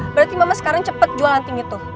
berarti mama sekarang cepet jual anting itu